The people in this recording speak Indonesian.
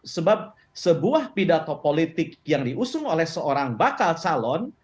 sebab sebuah pidato politik yang diusung oleh seorang bakal calon